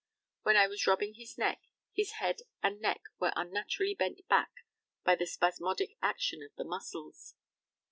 When I was rubbing his neck, his head and neck were unnaturally bent back by the spasmodic action of the muscles.